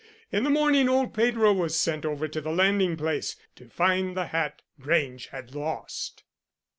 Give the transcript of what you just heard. In the morning old Pedro was sent over to the landing place to find the hat Grange had lost."